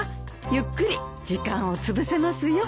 ゆっくり時間をつぶせますよ。